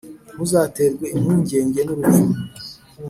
ntuzaterwe impungenge n’urupfu